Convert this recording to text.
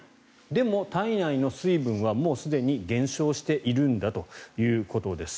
でも、体内の水分はもうすでに減少しているんだということです。